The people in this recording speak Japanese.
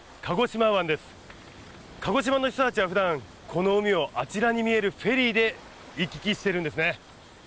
鹿児島の人たちはふだんこの海をあちらに見えるフェリーで行き来しているんですね。